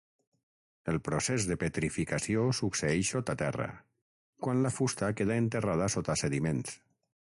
El procés de petrificació succeeix sota terra, quan la fusta queda enterrada sota sediments.